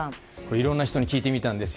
いろんな人に聞いてみたんです。